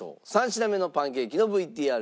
３品目のパンケーキのＶＴＲです。